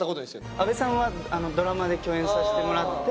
阿部さんはドラマで共演させてもらって。